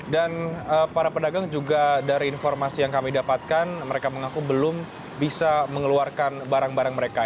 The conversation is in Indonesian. dan para pedagang juga dari informasi yang kami dapatkan mereka mengaku belum bisa mengeluarkan barang barang mereka